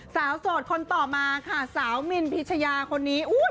โสดคนต่อมาค่ะสาวมินพิชยาคนนี้